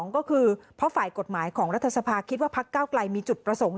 ก็คือเพราะฝ่ายกฎหมายของรัฐสภาคิดว่าพักเก้าไกลมีจุดประสงค์